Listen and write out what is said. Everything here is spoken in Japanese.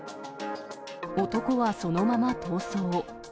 男はそのまま逃走。